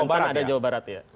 ada jawa barat ya